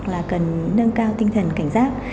là cần nâng cao tinh thần cảnh giác